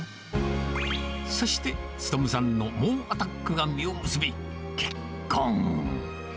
そして、勉さんの猛アタックが実を結び、結婚。